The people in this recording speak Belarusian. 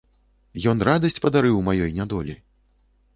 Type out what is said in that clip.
Ён радасць падарыў маёй нядолі!